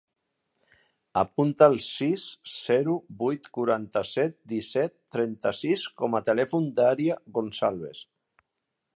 Apunta el sis, zero, vuit, quaranta-set, disset, trenta-sis com a telèfon de l'Arya Goncalves.